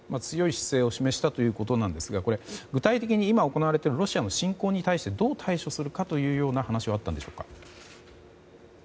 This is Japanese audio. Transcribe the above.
強い姿勢を示したということですがこれ、具体的に今、行われているロシアの侵攻に対してどう対処するかというような話はあったんでしょうか。